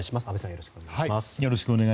よろしくお願いします。